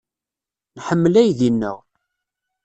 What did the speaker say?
Nḥemmel aydi-nneɣ.